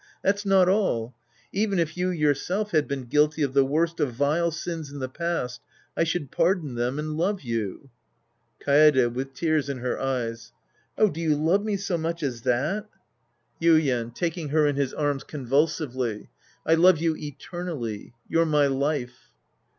That's not all. Even if you yourself had been guilty of the worst of vile sins in the past, I should pardon them and love you. Kaede {with tears in her eyes). Oh, do you love me so much as that ? 144 The Priest aid His Disciples Act rv Yuien [faldng her in his arms convulsively). I love you eternally. You're my life.